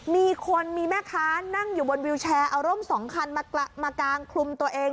มีคนมีแม่ค้านั่งอยู่บนวิวแชร์เอาร่ม๒คันมากางคลุมตัวเอง